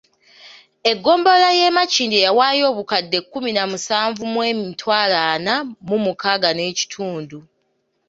Eggombolola y’e Makindye yawaayo obukadde kkumi na musanvu mu emitwalo ana mu mukaaga n'ekitundu.